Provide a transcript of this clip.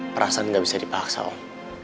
perasaan gak bisa dipaksa orang